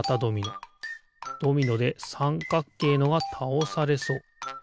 ドミノでさんかっけいのがたおされそう。